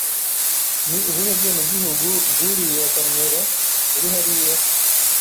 Ni ubuhe bwenegihugu bw'uriya kamera uri hariya?